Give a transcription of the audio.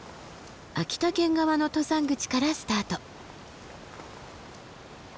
秋田県側の登山口からスタート。